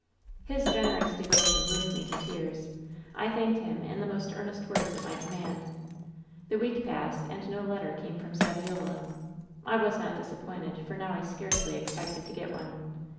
* "His generous devotion moved me to tears. I thanked him in the most earnest words at my command. "The week passed, and no letter came from Saviola. I was not disappointed, for now I scarcely expected to get one.